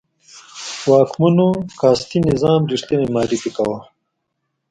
واکمنو کاسټي نظام ریښتنی معرفي کاوه.